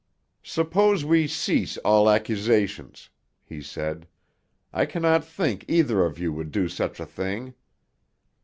"Suppose we cease all accusations," he said. "I cannot think either of you would do such a thing.